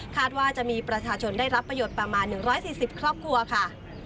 ว่าจะมีประชาชนได้รับประโยชน์ประมาณ๑๔๐ครอบครัวค่ะ